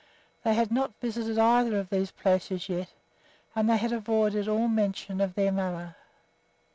They had not visited either of these places yet, and they had avoided all mention of their mother.